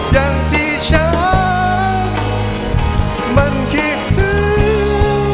อย่างที่ฉันมันคิดถึง